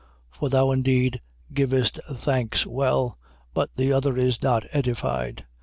For thou indeed givest thanks well: but the other is not edified.